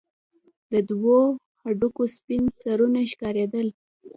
د دوو هډوکو سپين سرونه ښكارېدل.